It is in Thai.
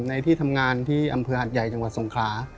ที่ทำงานที่อำเภอหัดใหญ่จังหวัดสงขลา